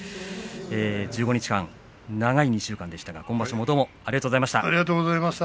１５日間、長い２週間でしたが今場所もありがとうございました。